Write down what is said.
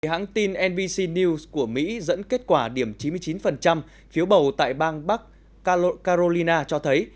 hãng tin nbc news của mỹ dẫn kết quả điểm chín mươi chín phiếu bầu tại bang bắc caro carolina cho thấy